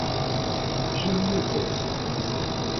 juízo